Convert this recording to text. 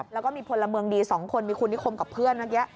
แล้วก็มีพลเมืองดี๒คนมีคุณนิคมกับเพื่อนเมื่อกี้